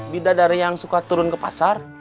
bidadari yang suka turun ke pasar